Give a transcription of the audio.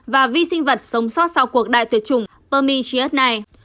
và vi sinh vật sống sót sau cuộc đại tuyệt chủng permitius này